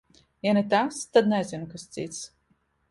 Ja ne tas, tad nezinu, kas cits.